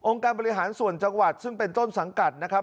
การบริหารส่วนจังหวัดซึ่งเป็นต้นสังกัดนะครับ